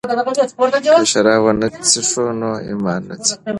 که شراب ونه څښو نو ایمان نه ځي.